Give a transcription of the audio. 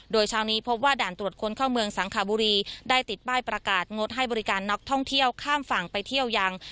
โดยเช้านี้พบว่าด่านตรวจคนเข้าเมืองสังขบุรีได้ติดป้ายประกาศงดให้บริการนักท่องเที่ยวข้ามฝั่งไปเที่ยวยัง